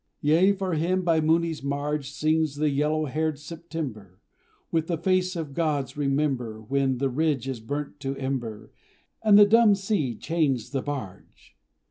Yea, for him by Mooni's marge Sings the yellow haired September, With the face the gods remember When the ridge is burnt to ember, And the dumb sea chains the barge!